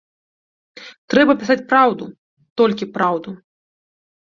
Трэба пісаць праўду, толькі праўду.